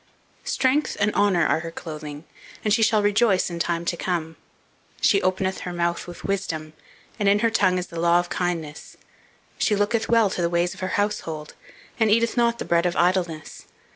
"Strength, and honour are her clothing; and she shall rejoice in time to come. She openeth her mouth with wisdom; and in her tongue is the law of kindness. She looketh well to the ways of her household; and eateth not the bread of idleness.